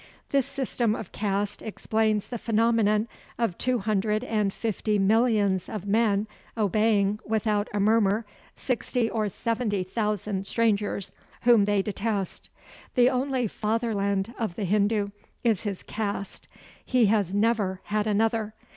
This system of caste explains the phenomenon of two hundred and fifty millions of men obeying, without a murmur, sixty or seventy thousand strangers whom they detest. The only fatherland of the Hindu is his caste. He has never had another.